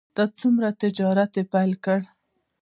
د څرمنو تجارت یې پیل کړ.